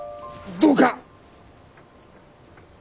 どうか。